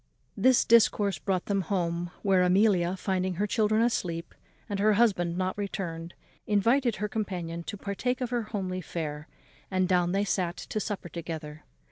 This discourse brought them home, where Amelia, finding her children asleep, and her husband not returned, invited her companion to partake of her homely fare, and down they sat to supper together.